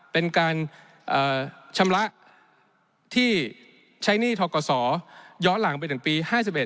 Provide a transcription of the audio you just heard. เป็นการชำระที่ใช้หนี้ทกศย้อนหลังไปถึงปี๕๑